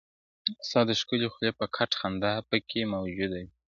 ستا د ښكلي خولې په كټ خندا پكـي موجـــوده وي~